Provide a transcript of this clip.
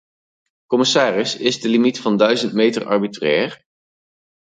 Commissaris, is de limiet van duizend meter arbitrair?